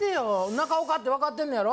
中岡って分かってんのやろ？